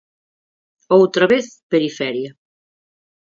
Outra vez, periferia.